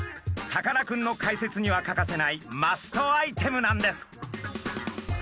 さかなクンの解説には欠かせないマストアイテムなんです。